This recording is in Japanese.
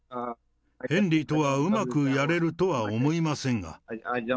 ヘンリーとはうまくやれるとは思いませんが。